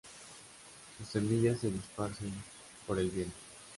Sus semillas se dispersan por el viento.